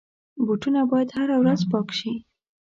بوټونه باید هره ورځ پاک شي.